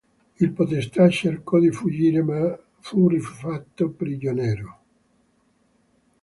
Il Potestà cercò di fuggire ma fu rifatto prigioniero.